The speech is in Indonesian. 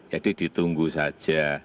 jadi ditunggu saja